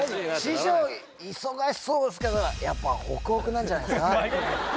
師匠忙しそうですけどやっぱホクホクなんじゃないですか？